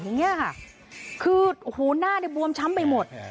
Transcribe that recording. อย่างนี้ค่ะคือโอ้โหหน้าเนี่ยบวมช้ำไปหมด